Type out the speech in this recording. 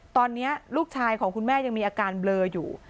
ตอนนี้ลูกชายของคุณแม่ยังมีอาการเบลออยู่